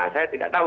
saya tidak tahu